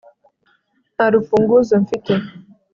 nta rufunguzo mfite